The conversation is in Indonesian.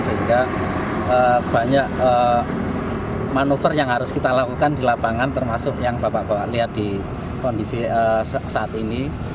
sehingga banyak manuver yang harus kita lakukan di lapangan termasuk yang bapak bapak lihat di kondisi saat ini